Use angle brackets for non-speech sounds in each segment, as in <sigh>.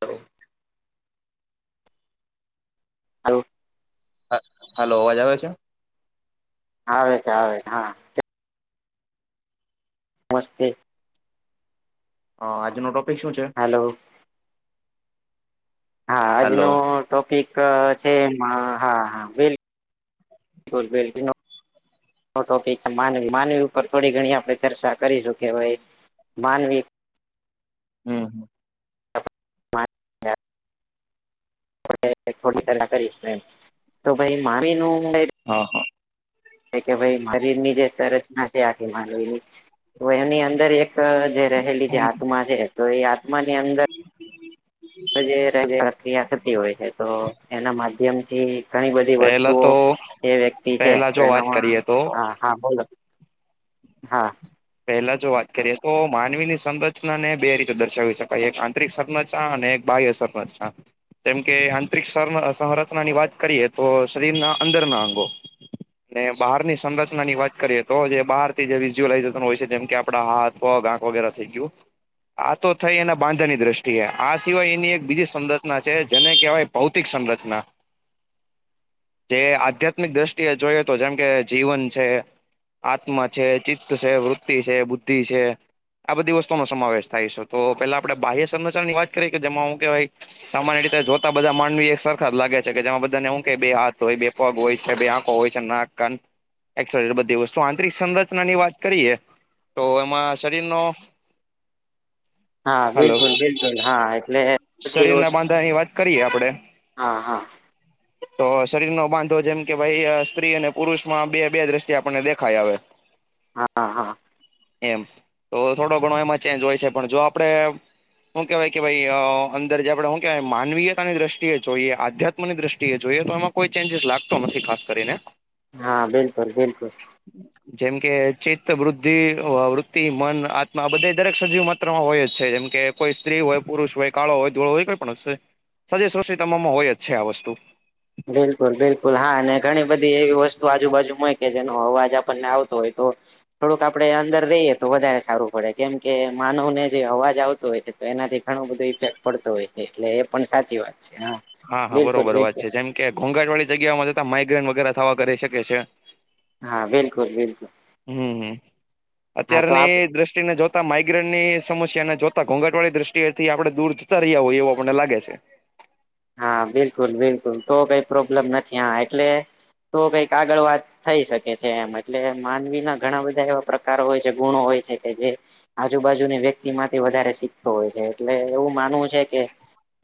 હ <inaudible> hello. Hello અવાજ આવે છે. આવે છે આવે છે હા. મસ્તે. હા આજનો ટોપિક શું છે. હલો. હા હાલો આજનો ટોપિક છે એમાં હા હા બિલ બ <unintelligible> ટોપિક માનવી માનવી ઉપર થોડી ઘણી આપડે ચર્ચા કરીશું કે ભાઈ. માનવી. હમ. હ <unintelligible> થોડી સાર કરીશ એ તો ભાઈ મામ ન <unintelligible> હા હા. એ કે ભઈ મારી ની રે સરસ. હ છે આખી માનવીની તો એની અંદર એક જે રહેલી જે આત્મા છે. તો એ આત્માની અંદર જે પ્રક્રિયા થતી હોય છે તો એના માધ્યમથી <unintelligible> ઘણી બધી પહેલા વસ્તુઓ તો એ વ્યક્તિ છે પહેલા તો જો વાત એનામાં કરીએ તો હા હા બોલો હા પહેલા જો વાત કરીએ તો માનવી ની સંરચના ને બે રીતે દર્શાવી શકાય એક આંતરિક સંરચ ચા અને એક બાહ્ય સંરચના. એમ કે આંતરિક સરમ સંરચનાની વાત કરીએ તો શરીરના અંદરના અંગો. ને બહાર ની સંરચના ની વાત કરીએ તો જે બહાર થી જે વિઝ્યુલાઇજ હોય છે તેમ કે આપડા હાથ પગ આંખ વગેરે થઈ ગયું. આ તો થઈ એના બાંધાની દ્રષ્ટિએ આ સિવાય એની એક બીજી સંરચના છે જેને કહેવાય ભૌતિક સંરચના. <inaudible> જે આધ્યાત્મિક દ્રષ્ટિએ જોય તો જેમ કે જીવન છે. આત્મા છે ચિત્ત છે વૃત્તિ છે બુદ્ધિ છે. આ બધી વસ્તુમાં સમાવેશ થાય છે તો પેલા આપણે બાહ્ય સંરચના ની વાત કરીએ કે જેમાં હું કેવાાઈ સામાન્ય રીતે જોતા બધા માનવી એક સરખા જ લાગે છે કે જેમાં બધાને હું કે બે હાથ હોય બે પગ હોય છે બે આખો હોય નાક કાન એક્ષ વાય બધી વસ્તુ આંતરિક સંરચનાની વાત કરીએ તો એમાં શરીર નો હા બિલકુલ બિલકુલ હા એટલે. શરીર ના બાંધા ની વાત કરીએ આપડે હા તો શરીર નો બાંધો જેમ કે ભાઈ સ્ત્રી અને પુરુષ માં બે બે દ્રષ્ટિ આપણને દેખાય આવે હા હા એમ તો થોડો ઘણો એમાં ચેન્જ હોય છે પણ જો આપડે હુકેવાય કે ભાઈ અ અંદર જે આપડે હુ કહેવાય માનવીયતાની દ્રષ્ટએ જોઈએ આધ્યાત્મ ની દ્રષ્ટિએ જોઈએ તો એમાં કોઈ ચેન્જીસ લાગતો નથી ખાસ કરીને હા બિલકુલ બિલકુલ. જેમકે ચિત્ત વૃદ્ધિ વૃત્તિ મન આત્મા આ બધ દરેક સજીવ માત્રામાં હોય છે જેમકે કોઈ સ્ત્રી હોય પુરુષ હોય કાળો હોય ધોળો હોય કોઈ પણ હસે સજે સ તમામાં હોય જ છે આ વસ્તુ બિલકુલ બિલકુલ હા અને ઘણી બધી એવી વસ્તુ આજુબાજુ હોય કે જેનો અવાજ આપણને આવતો હોય તો થોડુંક આપડે અંદર રઈયએ તો વધારે સારું પડે કેમ કે માનવ ને જે અવાજ આવતો હોય છે. તો એનાથી ઘણું બધું ઇફેક્ટ પડતો હોય છે એટલે એ પણ સાચી વાત છે હા હા હા બિલકુલ બરોબર વાત બિલકુલ છે જેમ કે ઘોંઘાટ વાળી જગ્યાઓમાં જતા માઇગ્રેન વગેરે થવા કરી શકે છે હા બિલકુલ બિલકુલ હમ્મ હા તો આપ અત્યારની દ્રષ્ટ ને જોતા માઇગ્રેન ની સમસ્યા ને જોતા ઘોઘટ વાળી દ્રષ્ટિ થી આપણે દૂર જતા રહ્યા હોયએ એવો મને લાગે છે હા બિલકુલ બિલકુલ તો કઈ પ્રોબ્લેમ નથી હા એટલે તો કઈક આગળ વાત થઈ શકે છે એમ એટલે માનવી ના ઘણા બધા એવા પ્રકાર હોય છે ગુણો હોય છે કે જે આજુબાજુની વ્યક્તિ માંથી વધારે શીખતો હોય છે એટલે એવું માનવું છે કે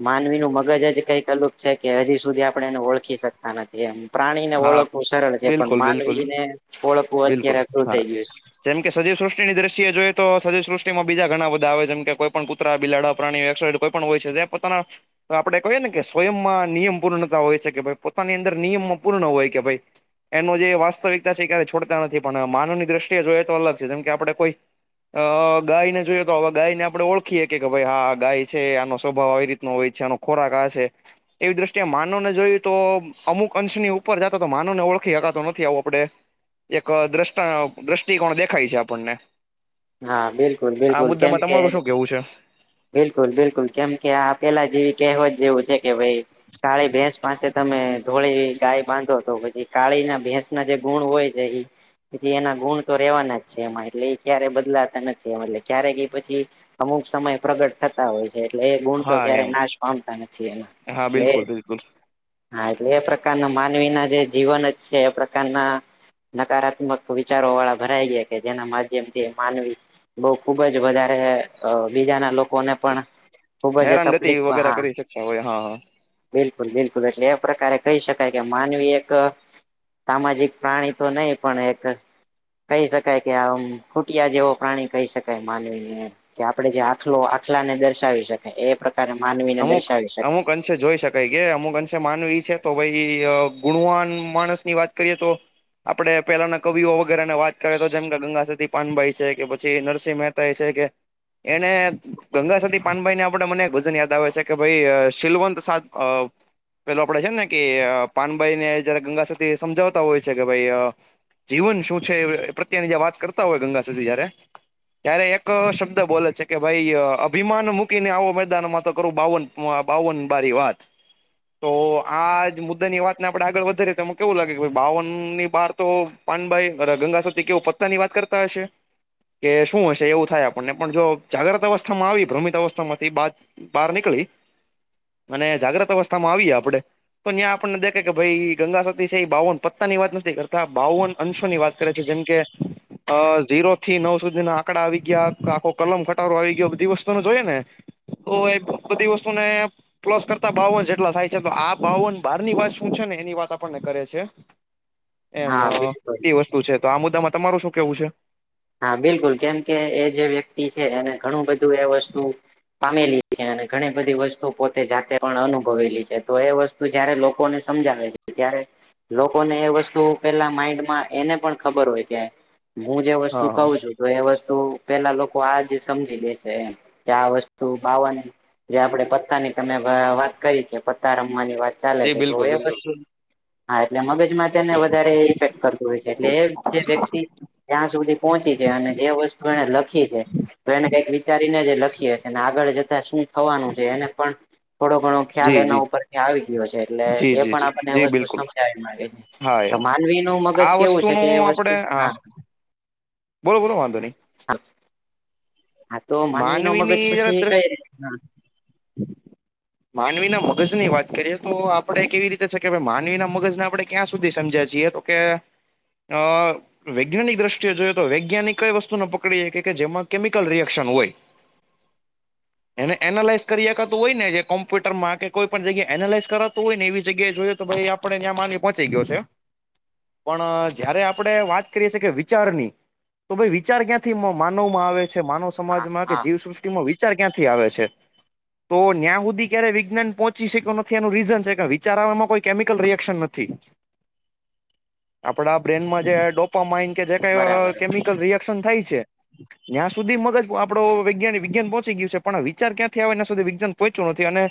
માનવી નું મગજ જ કઈ કલુક છે કે હજી સુધી આપણે એને ઓળખી શકીએ આનાથી એમ પ્રાણી ને હા ઓળખવું સરળ છે પણ બિલકુલ બિલકુલ માંનવીને ઓળખવું બિલકુલ અત્યારે અઘરુ હા થઈ ગયું છે જેમ કે સજીવ સૃષ્ટિની દ્રષ્ટિ એ જોઈ તો સજી સૃષ્ટિ માં બીજા ઘણા બધા આવે જેમ કે કોઈ પણ કુંતરા બિલાડ પ્રાણીઓ એક્સ કોઈ પણ હોય છે તે પોતાના તો આપડે કહીએ ને કે સ્વયંમાં નિયમ પૂર્ણતા હોય છે કે ભ પોતાની અંદર નિયમ પૂર્ણ હોય કે ભઈ એનું જે વાસ્તવિકતા છે ક્યારે છોડતા નથી પણ માનવની દ્રષ્ટિએ જોઈએ તો અલગ છે જેમ કે આપણે કોઈ અ ગાયને જોઈએ તો હવે ગાયને આપણે ઓળખીએ કે કે ભાઈ હા ગાય છે આનો સ્વભાવ આવી રીતનો હોય છે આનો ખોરાક આ છે એવી દ્રષ્ટિએ માનવને જોયું તો અમુક અંશની ઉ ઉપર જતા તો માન ને ઓળખી હકાતો નથી આવું આપડે એક દ્રષ્ટ દ્રષ્ટિકોણ દેખાય છે આપણને હા બિલકુલ આ બિલકુલ કેમ મુદ્દામાં કે તમારું શું કેવું છે બિલકુલ બિલકુલ કેમ કે આ પેલા જેવી કહેવત જેવું છે કે ભઈ કાળી ભેંસ પાસે તમે થોડી ગાય બાંધો તો પછી કાળી ના ભેંસ ના જે ગુણ હોય છે એ પ એના ગુણ તો રેવાના જ છે એમાં એટલે ક્યારેધા બદલા નથીત ક્યારેક પછી અમુક સમય પ્રગટ થતા હોય એટલે એ ગુણ તો હા ક્યારે એમ નાશ પામતા નથી એમાં હા એટલે બિલકુલ બિલકુલ હા એટલે એ પ્રકારના માનવી ના જે જીવન જ છે એ પ્રકારના નકારાત્મક વિચારો વાળા ભરાય ગયા કે જેના માધ્યમથી માનવી બઉ ખુબ જ વધારે બીજાના લોકોને પણ ખુબ જ હેરાનગતિ તકલીફ વગેરે હા કરી શકતા હોય હા હા બિલકુલ બિલકુલ એટલે એ પ્રકારે કહી શકાય કે માનવી એક સામાજિક પ્રાણી તો નહીિ પણ એક કહી શકાય કે આમ જેવો પ્રાણી કહી શકાય માનવીને કે આપડે જે આખલો આખલા ને દર્શાવી શકે એ પ્ર <inaudible> અમુક અમુક અ જોઈ શકાય કે અમુક અંશે માનવી છે તો ભાઈ ગુણવાન માણસ ની વાત કરીએ તો આપડે પેલા ના કવિઓ વગેરેને વાત કરે તો જેમ કે ગંગા સદી પાનભાઈ છે કે પછી નરસિંહ મહેતા છે કે એને ગંગા સતી પાનભાઈ ને આપણેે મને ગજન યાદ બ છે કે ભાઈ શિલવંત સા પેલો આપડે છે ને કે પાનભાઈ ને જયારે ગંગા સાથે સમજાવતા હોય છે કે ભાઈ જીવન શું છે પ્રત્યેની વાત કરતા હોય ગંગા સુધી જયારે ત્યારે એક શબ્દ બોલે છે કે ભાઈ અભિમાન મૂકીને આવો મેદાનમાં તો કરું બાવન બાવન બારી વાત તો આ મુદ્દાની વાતને આપડણે આગળ વધારીએ તો એ કેવું લાગે બાવન ની બાર તો પાનભાઈ ગંગા સાથેતી કેવ પત્તાની વાત કરતા હશે કે શું હશે એવું થાય આપણને પણ જો જાગ્રત અવસ્થામાં આવી ભ્રમિત અવસ્થામાંથી બાદ બહાર નીકળી અને જાગ્રત અવસ્થા માં આવીએ આપડે તો ત્યાં આપણને દેખે કે ભાઈ ગંગા સતી છે એ બાવન પત્તાની વાત નથી કરતા બાવન અંશોની વાત કરે છે જેમ કે અ ઝીરો થી નવ સુધી ના આંકડા આવી ગયા આખો કલમ ઘટાડો આવી ગયો બધી વસ્તુને જોઈએ ને ઓ એ બધી વસ્તુને પ્લસ કરતા બાવન જેટલા થાય છે તો આ બાવન બારની વાત શું છે ને એની વાત આપણને કરે છે એમ હા બિલકુલ એ વસ્તુ છે તો આ મુદ્દામાં તમારું શું કેવું છે હા બિલકુલ કેમ કે એ જે વ્યક્તિ છે એને ઘણું બધું એ વસ્તુ પામેલી છે અને ઘણી બધી વસ્તુ પોતે જાતે પણ અનુભવેલી છે તો એ વસ્તુ તો જયારે લોકોને સમજાવે છે ત્યારે લોકોને એ વસ્તુ પેલા માઈન્ડમાં એને પણ ખબર હોય કે હું જે વસ્તુ હા હા કહઉ છું તો એ વસ્તુ પેલા લોકો આજ સમજી લેશે એમ કે આ વસ્તુ બાવાને જે આપડે પત્તા ની તમે વાત કરી કે પત્તા રમવાની વાત ચાલે જી છે તો બિલકુલ એ બિલકુલ વસ્તુ હા એટલે મગજ ને વધારે ઇફેક્ટ કરતું હોય છે એટલે એ જે વ્યક્તિ ત્યાં સુધી અને જે વસ્તુ એને લખી છે તો એને કઈક વિચારીને જે લખી હશે આગળ જતા શું થવાનું છે એને પણ થોડો ઘણો ખ્યાલ જી એના જી ઉપરથી્યા આવી ગયો છે એટલે જી એ જી પણ જી આપણને જી વસ્તુ બિલકુલ સમજાવી માંગે છે હા તો એમ માનવી નું મગજ આ કેવું છે કે વસ્તુનું એ વસ્તુ આપડે હા બોલો બોલો વાંધ નહી હા હા તો માનવી નો મગજ માનવીની જરા પછી કઈ દ્રષ્ટિ ર માનવી ના મગજ ની વાત કરીએ તો આપડે કેવી રીતે છે કે માનવી ના મગજને આપણે ક્યાં સુધી સમજ્યા છીએ તો ઓ કે અ વૈજ્ઞાનિક દ્રષ્ટિએ જોય તો વૈજ્ઞાનિક કઈ વસ્તુ નને પકડી કે કે જેમાં કેમિકલ ર ન હોય <inaudible> એને એનાલાઇઝ કરી આપખાતું હોય ને જે કોમ્પ્યુટરમાં કે કોઈ પણ જગ્યા એનાલાઈઝ કરાતું હોય ને એવી જગ્યાએ જોયએ તો ભાઈ આપ આપડ ત્યાં માલી પહોંચી ગયો છે <inaudible> પણ જયારે આપણે વાત કરીએી કે વિચારની તો ભાઈ વિચાર ક્યાંથી માનવમાં આવે છે માનવ હા સમાજમાં કે હા જીવસૃષ્ટિ વિચાર ક્યાંથી આવે છે તો ન્યાં સુધી ક્યારે વિજ્ઞાન પહોંચી શક્યો નથી એનું રીઝન છે કે વિચારવામાં કોઈ કેમિકલ રિએક્શન નથી <inaudible> આપડા બ્રેનમાં જે ડો જે બરાબર કમિકલ ર રીઈક્શન થાય છે ત્યાં સુધી મગ આપડો વૈજઞાનિક વિજ્ઞાન પહોંચી ગયું છે વિચાર ક્યાંથી આવે એના સુધી વિજ્ઞાન પહોંચ્યું નથી અને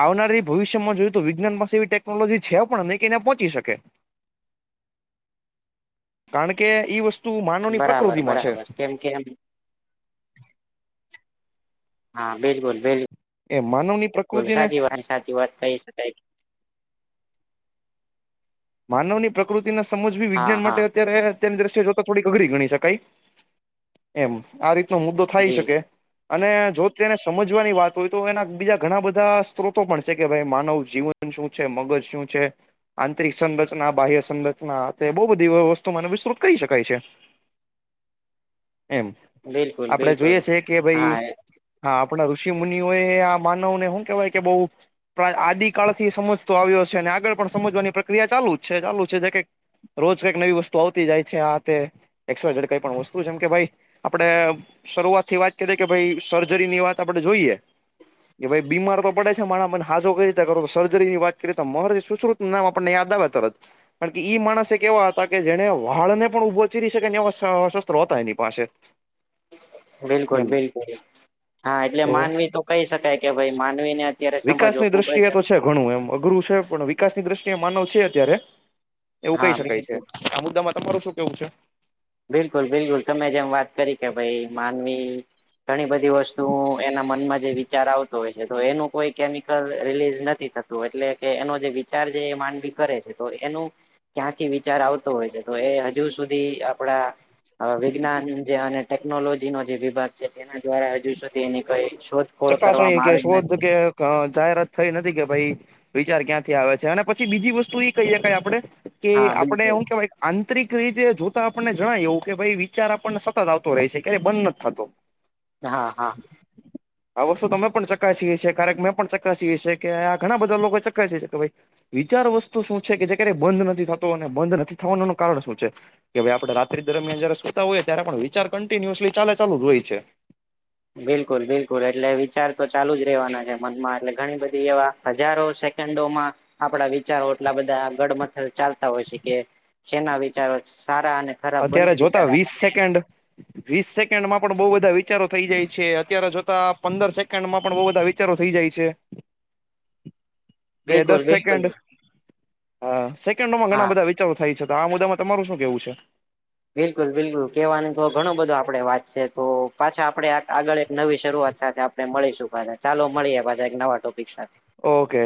આવનારી ભવિષ્યમાં જોય તો વિજ્ઞાન પાસે એવી ટેકનોલોજી છે પણ નહીં કે એને પહોંચી શકે <inaudible> કારણ કે ઈ વસ્તુ માનવની બરાબર પ્રકૃતિ માં છે બરાબર કેમ કેમ હા બિલકુલ બિલ એ માનવની બકુલ પ્રકૃતિને સાચી વાત સાચી વાત કહી શકાય. માનવ ની પ્રકૃતિ ના સમજ ભી હા વિજ્ઞાન હા માટે અત્યારે અત્યની દ્રશ્ય જોતા થોડીક અઘરી ગણી શકાય. એમ આ રીતનો મુદ્દો થાય જી શકે. અને જો તેને સમજવાની વાત હોય તો એના બીજા ઘણા બધા સ્ત્રોતો પણ છે, કે ભાઈ માનવ જીવન. ન શું છે. મગજ શું છે. સંરચના બાહ્ય સંરચના બહ બધી વસ્તુને વિસ્તૃત કરી શકાય છે. એમ બિલકુલ આપડે બિલકુલ જોઈએ છે, કે ભાઈ હા હા આપણા ઋષિ મુનિઓ એ આ માનવને શું કેવાય કે બહુ. આદ કાળ થી સમજતો આવ્યો છે. અને આગળ પણ સમજવાની પ્રક્રિયા ચાલુ જ છે. ચાલુ છે જે કઈ. રોજ કઈક નવી વસ્તુ આવતી જાય છે. આ તે એ્ર જેડ કઈ પણ વસ્તુ છે, એમ કે ભાઈ આપડ. શરૂઆત થી વાત કરીએ કે ભાઈ સર્જરી ની વાત આપડે જોઈએ. કે ભાઈ બીમાર તો પડે છે. માને હાજો કઈ રીતે કરો તો સર્જરી વાત કરીએ તો મહ સુશ્રુત નામ આપ પણનેયાદાવે ચત. કારણ કે, ઈ માણસ એક એવા હતા કે જેને વાળ ને પણ ઉઊભો ચીરી શકે એ શસ્ત્ર હતા. એની પાસે બિલકુલ એમ બિલકુલ હા એટલે માનવી તો કહી શકાય. કે ભાઈ માનવી ને અત્યારે સમજવો વિકાસની ખૂબ જ દ્રષ્ટિએ તો છે ઘણું એમ અઘરું છે. પણ વિકાસની દ્રષ્ટિએ માનવ છે. અત્યારે એવું હા કહી શકાય છે. બિલકુલ આ મુદ્દામાં તમારું શું કેવું છે. બિલકુલ બિલકુલ તમે જેમ વાત કરી કે ભાઈ માનવી ઘણી બધી વસ્તુ એના મનમાં જે વિચાર આવતો હોય છે. તો એનું કોઈ કેમિકલ રિલીઝ નથી થતું એટલે કે એનો જે વિચાર જે માંનવી કરે છે. તો એનું ક્યાંથી વિચાર આવતો હોય છે. તો એ હજુ સુધી આપડા વિજ્ઞાન જ ટેકનોલોજી નો જે વિભાગ છે. તેના દ્વારા હજુ સુધી એની કઈ શોધ ચક્કાસવાણી કે શોધ કે જાહેરાત થઈ નથી કે ભાઈ વિચાર ક્યાંથી આવે છે. અને પછી બીજી વસ્તુ એ કહી શકાય. આપડે કે હા બિલકુલ આપડેું કેવાય આંતરિક રીતે જોતા આપણને જણાય એવું કે, ભાઈ વિચાર આપણને સતત આવતો રહે છે. ક્યારે બંધ નથી થતો. હા હા, આ વસ્તુ તો અમે પણ ચકાસીએ છીએ કારક મેં પણ ચકાસીએ છીએ, કે આ ઘણા બધા લોકો ચકાસીી છે, કે ભાઈ વિચાર વસ્તુ શું છે, કે જે ક્યારેય બંધ નથી થતો અને બંધ નથી થવાનું ન કારણ શું છે. કે ભાઈ આપડ રાિ દરમિયાન જય સુતા હોયએ ત્યારે પણ વિચાર કન્ટિન્યુઅસલી ચાલે ચાલુ જ હોય છે. બિલકુલ બિલકુલ એટલે વિચાર તો ચાલુ જ રહેવાના છે. મનમાં એટલે ઘણી બધી એવા હજારો સેકન્ડોમાં આપડા વિચારો એટલા બધા ગડમથ ચાલતા હોય છે કે જેના વિચારો સારા અને ખરાબ બંને અત્યારે જોતા વિચારો વીસ આપણને સેકન્ડ વીસ સેકન્ડ માં પણ બહુ બધા વિચારો થઈ જાય છે અત્યારે જોતા પંદર સેકન્ડ માં પણ બહુ બધા વિચારો થઈ જાય છે. <unintelligible> દ દસ બિલકુલ સેકન્ડ હા સેકન્ડ નોમાંં ગણા હા બધા વિચારો થાય છે તો આ મુદ્દામાં તમારું શું કેવું છે? બિલકુલ બિલકુલ કેવાની તો ઘણો બધો આપડે વાત છે તો પાછા આપડે આગળ એક નવી શરૂઆત સાથે આપણે મળીશું પાછા ચાલો મળીએ પાછા એક નવા ટોપિક સાથે ઓકે.